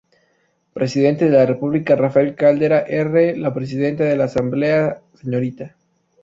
Presidente de la República Rafael Caldera R., la Presidenta de la Asamblea Sra.